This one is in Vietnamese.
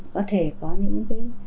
có thể có những cái